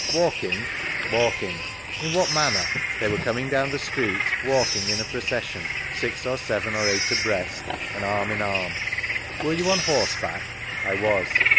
Walking ? Walking. In what manner ?— They were coming down the street, walking in a procession, six, or seven, or eight abreast^ and arm in arm. Were you on horseback?— I was.